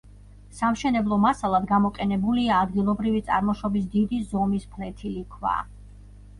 სამშენებლო მასალად გამოყენებულია ადგილობრივი წარმოშობის დიდი ზომის ფლეთილი ქვა.